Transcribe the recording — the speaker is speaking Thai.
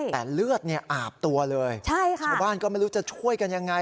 แต่เลือดเนี่ยอาบตัวเลยชาวบ้านก็ไม่รู้จะช่วยกันยังไง